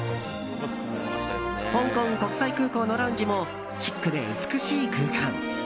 香港国際空港のラウンジもシックで美しい空間。